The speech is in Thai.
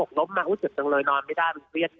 หกลบมาอุดเสร็จจังเลยนอนไม่ได้ไม่เครียดเยอะ